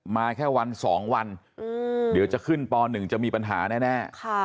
แค่วัน๒วันเดี๋ยวจะขึ้นป๑จะมีปัญหาแน่